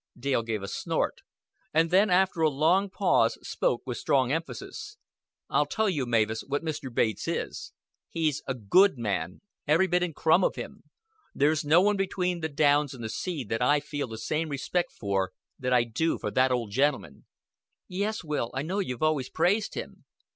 Dale gave a snort; and then after a long pause spoke with strong emphasis. "I'll tell you, Mavis, what Mr. Bates is. He's a good man, every bit and crumb of him. There's no one between the downs and the sea that I feel the same respect for that I do for that old gentleman." "Yes, Will, I know you've always praised him."